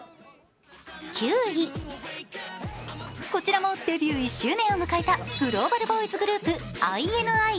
９位、こちらもデビュー１周年を迎えたグローバルボーイズグループ、ＩＮＩ。